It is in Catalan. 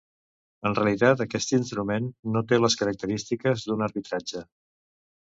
En realitat, aquest instrument no té les característiques d'un arbitratge.